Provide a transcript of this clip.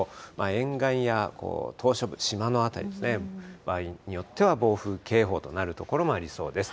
沿岸や島しょ部、島の辺り、場合によっては暴風警報となる所もありそうです。